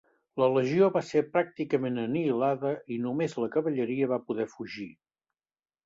La legió va ser pràcticament anihilada i només la cavalleria va poder fugir.